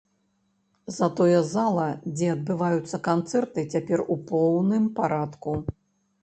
Затое зала, дзе адбываюцца канцэрты, цяпер у поўным парадку.